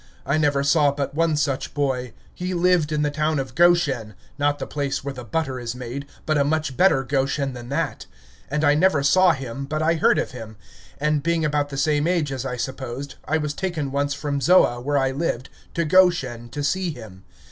I never saw but one such boy. He lived in the town of Goshen, not the place where the butter is made, but a much better Goshen than that. And I never saw him, but I heard of him; and being about the same age, as I supposed, I was taken once from Zoah, where I lived, to Goshen to see him.